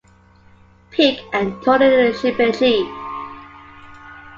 Peak, and Tony Schibeci.